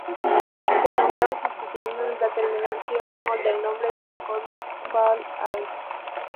Se nombran sustituyendo la terminación -ol del nombre del alcohol por -al.